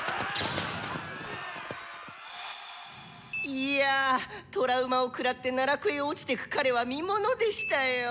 いやぁ「幻燈」を食らって奈落へ落ちてく彼は見ものでしたよぉ。